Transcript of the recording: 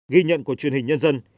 ghi nhận của truyền hình nhân dân